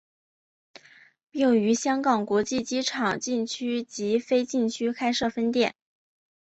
并于香港国际机场禁区及非禁区开设分店。